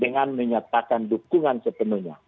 dengan menyatakan dukungan sepenuhnya